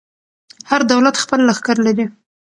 هر دولت خپل لښکر لري.